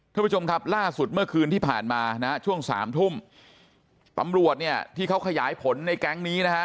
ทุกผู้ชมครับล่าสุดเมื่อคืนที่ผ่านมานะฮะช่วงสามทุ่มตำรวจเนี่ยที่เขาขยายผลในแก๊งนี้นะฮะ